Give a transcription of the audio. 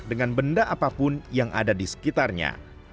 dengan benda apapun yang ada di sekitarnya